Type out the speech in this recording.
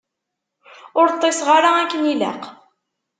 Ur ṭṭiseɣ ara akken ilaq.